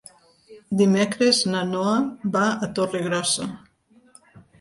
Dimecres na Noa va a Torregrossa.